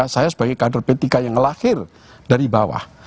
saya sebagai kader p tiga yang lahir dari bawah